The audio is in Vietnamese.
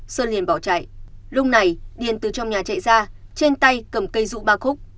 sơn liên bảo chạy lúc này điền từ trong nhà chạy ra trên tay cầm cây rụ ba khúc